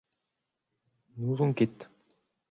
N'ouzon ket !